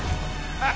あっ！